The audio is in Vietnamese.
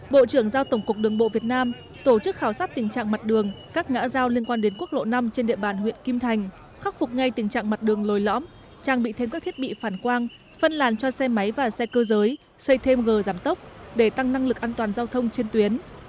bộ trưởng giao tổng cục đường bộ việt nam tổ chức khảo sát tình trạng mặt đường các ngã giao liên quan đến quốc lộ năm trên địa bàn huyện kim thành khắc phục ngay tình trạng mặt đường lồi lõm trang bị thêm các thiết bị phản quang phân làn cho xe máy và xe cơ giới xây thêm gờ giảm tốc để tăng năng lực an toàn giao thông trên tuyến